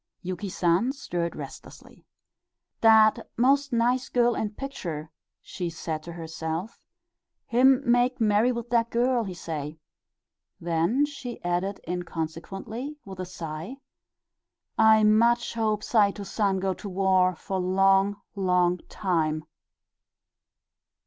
Yuki San stirred restlessly. "Dat most nice girl in picture," she said to herself. "Him make marry with dat girl, he say." Then she added inconsequently, with a sigh, "I much hope Saito San go to war for long, long time."